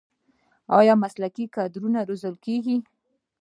آیا مسلکي کادرونه روزل کیږي؟